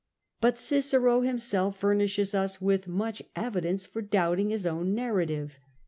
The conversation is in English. But Cicero himself furnishes us with much evidence for doubting his own narrative.